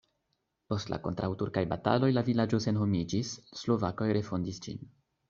Post la kontraŭturkaj bataloj la vilaĝo senhomiĝis, slovakoj refondis ĝin.